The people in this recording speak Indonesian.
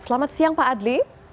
selamat siang pak adli